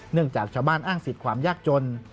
จากชาวบ้านอ้างสิทธิ์ความยากจน